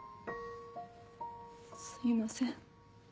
すいません。